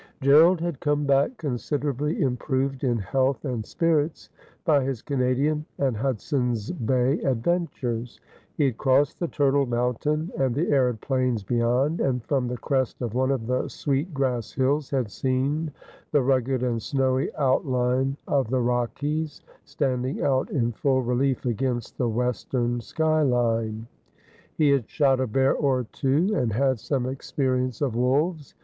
Gerald had come back considerably improved in health and spirits by his Canadian and Hudson's Bay adventures. He had crossed the Turtle Mountain, and the arid plains beyond, and from the crest of one of the Sweet G rass Hills had seen the rugged and snowy outline of the Rockies, standing out in full relief against the western sky line. He had shot a bear or two, and had some experience of wolves.